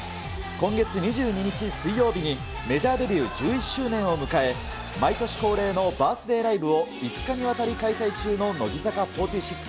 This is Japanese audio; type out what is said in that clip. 今月２２日水曜日に、メジャーデビュー１１周年を迎え、毎年恒例のバースデーライブを、５日にわたり開催中の乃木坂４６。